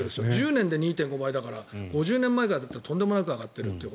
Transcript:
１０年で２．５倍だから５０年前からだったらとんでもないことになっている。